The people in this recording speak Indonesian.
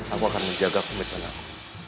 aku akan menjaga komitmen aku